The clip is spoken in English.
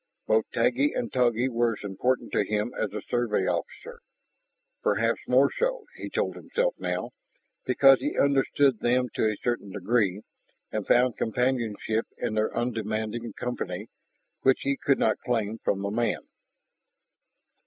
Both Taggi and Togi were as important to him as the Survey officer. Perhaps more so, he told himself now, because he understood them to a certain degree and found companionship in their undemanding company which he could not claim from the man.